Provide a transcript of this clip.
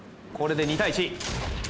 これで２対１。